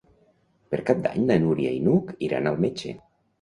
Per Cap d'Any na Núria i n'Hug iran al metge.